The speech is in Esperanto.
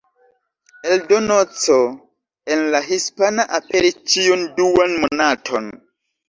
Eldono C, en la hispana, aperis ĉiun duan monaton.